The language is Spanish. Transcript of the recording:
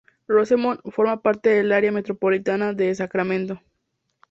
Rosemont forma parte del área metropolitana de Sacramento.